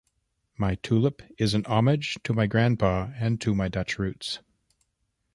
My tulip is an homage to my Grandpa and to my Dutch roots.